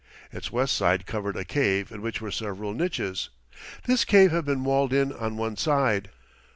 Its west side covered a cave in which were several niches. This cave had been walled in on one side.